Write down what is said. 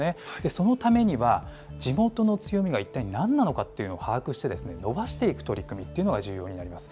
そのためには、地元の強みが一体なんなのかというのを把握して、伸ばしていく取り組みっていうのが重要になります。